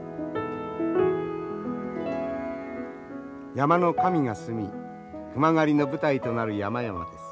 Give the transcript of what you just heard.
山の神が住み熊狩りの舞台となる山々です。